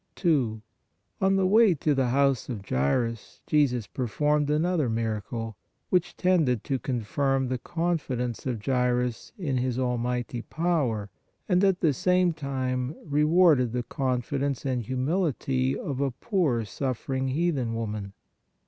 2. On the way to the house of Jairus Jesus per formed another miracle, which tended to confirm the confidence of Jairus in His almighty power and, at the same time, rewarded the confidence and hu mility of a poor suffering heathen woman.